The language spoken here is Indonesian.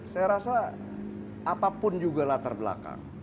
saya rasa apapun juga latar belakang